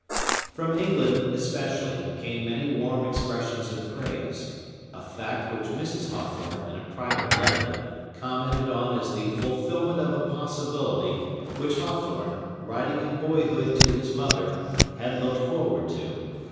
From England, especially, came many warm expressions of praise,—a fact which Mrs. Hawthorne, in a private letter, commented on as the fulfillment of a possibility which Hawthorne, writing in boyhood to his mother, had looked forward to.